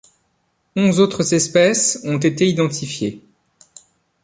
Onze autres espèces ont été identifiées.